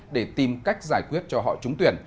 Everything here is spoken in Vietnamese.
để tìm cách giải quyết cho họ trúng tuyển